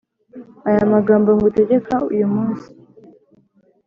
Aya magambo ngutegeka uyu munsi